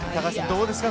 どうですか